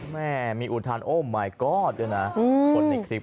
แม่มีอุทานโอ้หมายก๊อตด้วยนะคนในคลิป